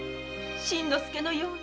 新之助のように。